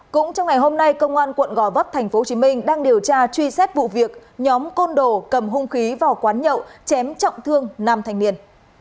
cũng trong ngày hôm nay công an quận gò vấp tp hcm đang điều tra truy xét vụ việc nhóm côn đồ cầm hung khí vào quán nhậu chém trọng thương nam thanh niên